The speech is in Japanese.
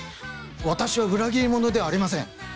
私は裏切り者ではありません！